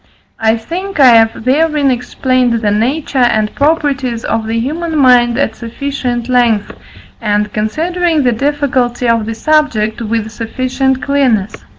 I think I have therein explained the nature and properties of the human mind at sufficient length, and, considering the difficulty of the subject, with sufficient clearness.